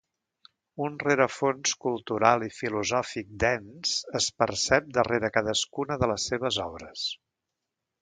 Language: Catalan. Un rerefons cultural i filosòfic dens es percep darrere cadascuna de les seves obres.